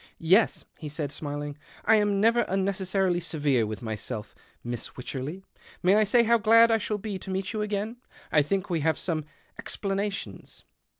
" Yes," he said smiling, " I am never mnecessarily severe with myself, Miss Vycherley. May I say how glad I shall be meet you again ? I think we have some —some explanations."